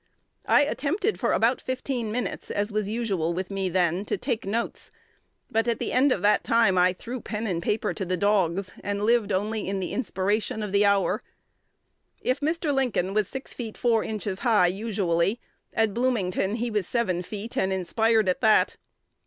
I attempted for about fifteen minutes, as was usual with me then, to take notes; but at the end of that time I threw pen and paper to the dogs, and lived only in the inspiration of the hour. If Mr. Lincoln was six feet four inches high usually, at Bloomington he was seven feet, and inspired at that.